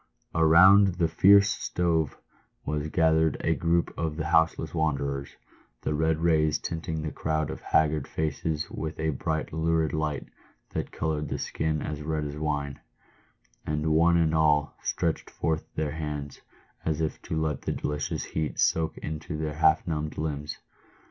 Around the fierce stove was gathered a group of the houseless wanderers, the red rays tinting the crowd of haggard faces with a bright lurid light that coloured the skin as red as wine ; and one and all stretched forth their hands, as if to let the delicious heat soak into their half numbed limbs.